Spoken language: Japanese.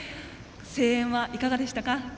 声援はいかがでしたか？